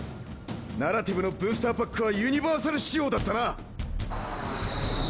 ナラティブのブースターパックはユニバーサル仕様だったな。